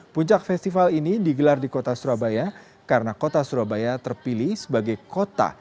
puncak festival ini digelar di kota surabaya karena kota surabaya terpilih sebagai kota